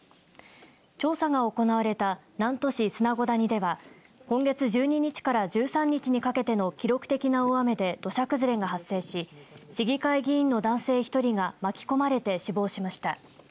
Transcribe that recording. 調査が行われた南砺市砂子谷では今月１２日から１３日にかけての記録的な大雨で土砂崩れが発生し市議会議員の男性１人が巻き込まれて死亡しました。